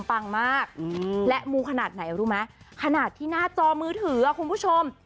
ปังมากและมูขนาดไหนรู้ไหมขนาดที่หน้าจอมือถือคุณผู้ชม